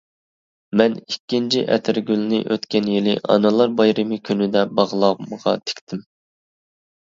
مەن ئىككىنچى ئەتىرگۈلنى ئۆتكەن يىلى ئانىلار بايرىمى كۈنىدە باغلامغا تىكتىم.